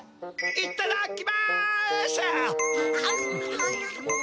いっただっきます！